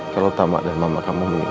kalau tama dan mama kamu menikah